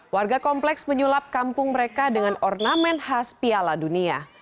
warga kompleks menyulap kampung mereka dengan ornamen khas piala dunia